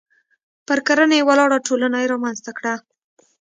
پر کرنې ولاړه ټولنه یې رامنځته کړه.